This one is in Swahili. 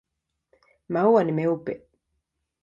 Maua ni meupe.